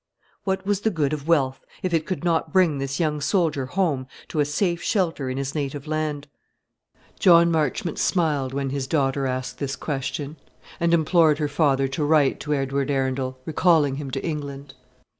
What was the good of wealth, if it could not bring this young soldier home to a safe shelter in his native land? John Marchmont smiled when his daughter asked this question, and implored her father to write to Edward Arundel, recalling him to England.